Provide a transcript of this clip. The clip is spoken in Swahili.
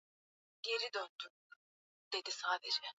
Shule ilichomeka.